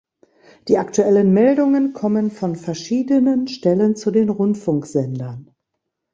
Die aktuellen Meldungen kommen von verschiedenen Stellen zu den Rundfunksendern.